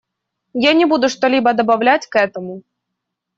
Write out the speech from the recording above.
Я не буду что-либо добавлять к этому.